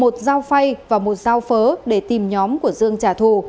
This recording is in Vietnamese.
một dao phay và một dao phớ để tìm nhóm của dương trả thù